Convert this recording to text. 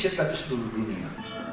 tidak hanya di seluruh dunia